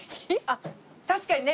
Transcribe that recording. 確かにね！